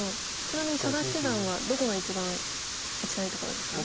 ちなみに佐田七段はどこが一番打ちたいところですか？